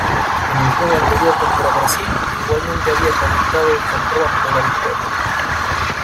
En el juego anterior contra Brasil, igualmente había conectado el jonrón de la victoria.